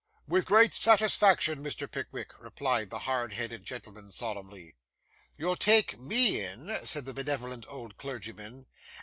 'With great satisfaction, Mr. Pickwick,' replied the hard headed gentleman solemnly. 'You'll take me in?' said the benevolent old clergyman.